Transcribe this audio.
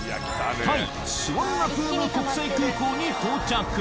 タイスワンナプーム国際空港に到着